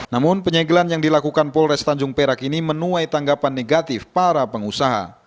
namun penyegelan yang dilakukan polres tanjung perak ini menuai tanggapan negatif para pengusaha